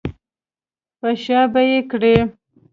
په شا به یې کړې.